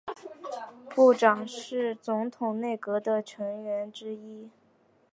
部长是总统内阁的成员之一。